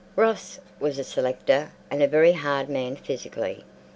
Ross was a selector, and a very hard man physically.